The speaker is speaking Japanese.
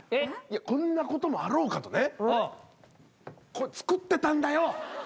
こんなこともあろうかとねこれ作ってたんだよ。